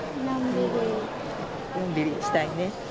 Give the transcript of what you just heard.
のんびりしたいね。